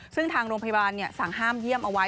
ซึ่งทางโรงพยาบาลสั่งห้ามเยี่ยมเอาไว้